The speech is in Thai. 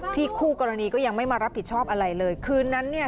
คู่กรณีก็ยังไม่มารับผิดชอบอะไรเลยคืนนั้นเนี่ย